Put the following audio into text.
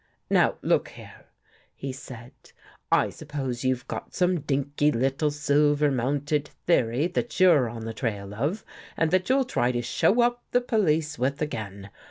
" Now, look here," he said. " I sup pose you've got some dinky little silver mounted theory that you're on the trail of and that you'll try to show up the police with again.